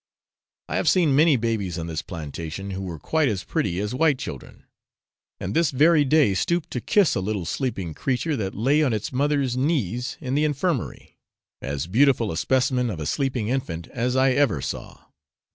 I have seen many babies on this plantation, who were quite as pretty as white children, and this very day stooped to kiss a little sleeping creature, that lay on its mother's knees in the infirmary as beautiful a specimen of a sleeping infant as I ever saw.